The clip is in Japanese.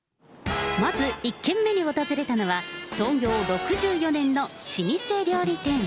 まず１軒目に訪れたのは、創業６４年の老舗料理店。